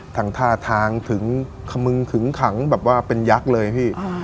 ท่าทางถึงขมึงขึงขังแบบว่าเป็นยักษ์เลยพี่